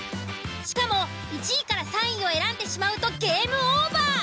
しかも１位３位を選んでしまうとゲームオーバー。